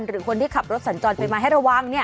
หรือคนที่ขับรถสัญจรไปมาให้ระวัง